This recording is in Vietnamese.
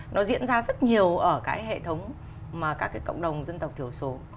nó diễn ra rất nhiều ở cái hệ thống mà các cái cộng đồng dân tộc thiểu số